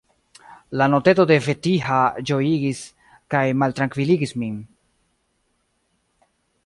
La noteto de Vetiha ĝojigis kaj maltrankviligis min.